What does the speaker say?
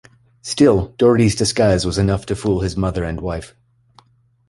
Still, Doherty's disguise was enough to fool his mother and wife.